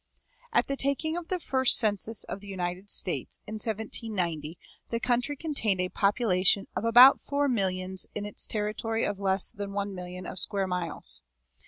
At the taking of the first census of the United States, in 1790, the country contained a population of about four millions in its territory of less than one million of square miles.